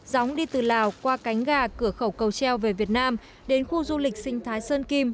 gióng đi từ lào qua cánh gà cửa khẩu cầu treo về việt nam đến khu du lịch sinh thái sơn kim